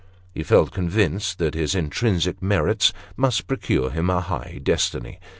He felt convinced that his intrinsic merits must procure him a high destiny.